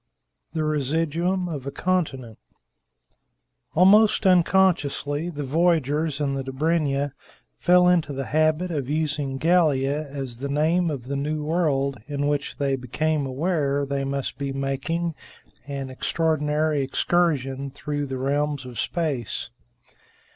THE RESIDUUM OF A CONTINENT Almost unconsciously, the voyagers in the Dobryna fell into the habit of using Gallia as the name of the new world in which they became aware they must be making an extraordinary excursion through the realms of space.